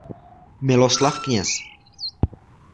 Miloslav Kněz.